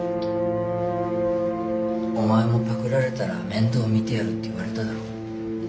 お前もパクられたら面倒見てやるって言われただろ？